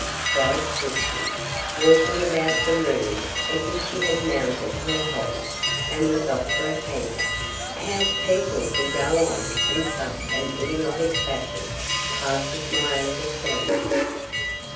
cried Christie, walking about the room as if she had mounted her hobby, and was off for a canter, "how people can go on in such an idiotic fashion passes my understanding.